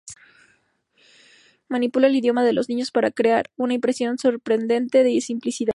Manipula el idioma de los niños para crear una impresión sorprendente de simplicidad.